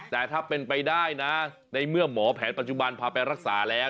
แต่ถ้าเป็นไปได้นะในเมื่อหมอแผนปัจจุบันพาไปรักษาแล้ว